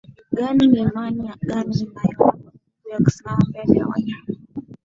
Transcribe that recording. gani Ni imani gani inayowapa nguvu ya kusimama mbele ya wanyama